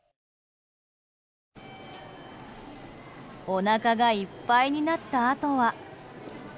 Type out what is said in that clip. おなかがいっぱいになったあとは。